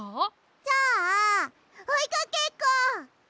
じゃあおいかけっこ。